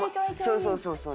そうそうそうそう。